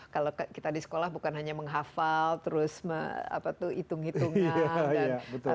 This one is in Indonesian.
kalau kita di sekolah bukan hanya menghafal terus hitung hitungan dan